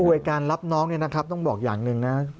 โดยการรับน้องเนี่ยนะครับต้องบอกอย่างหนึ่งนะ